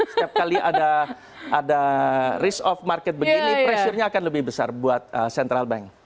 setiap kali ada risk of market begini pressure nya akan lebih besar buat central bank